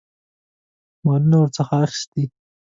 مالونه ورڅخه اخیستي.